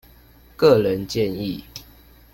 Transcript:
個人建議